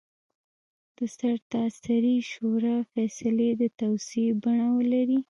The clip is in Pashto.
د سرتاسري شورا فیصلې د توصیې بڼه ولري.